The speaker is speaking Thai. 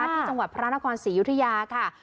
ที่จังหวัดพระนครศรียุธยาค่ะ